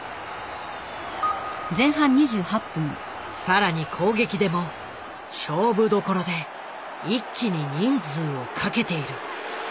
更に攻撃でも勝負どころで一気に人数をかけている。